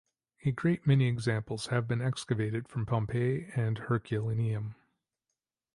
A great many examples have been excavated from Pompeii and Herculaneum.